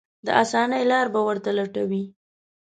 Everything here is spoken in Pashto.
د اسانۍ لارې به ورته لټوي.